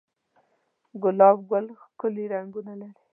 گلاب گل ښکلي رنگونه لري